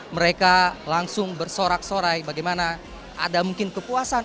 mereka langsung bersorak sorai bagaimana ada mungkin kepuasan